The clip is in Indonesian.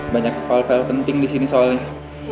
banyak file file penting disini soalnya